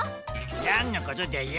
なんのことだよ？